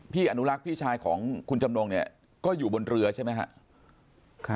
อนุรักษ์พี่ชายของคุณจำนงเนี่ยก็อยู่บนเรือใช่ไหมครับ